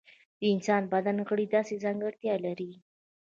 د انسان د بدن غړي داسې ځانګړتیا لري.